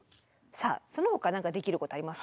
さあそのほか何かできることありますか？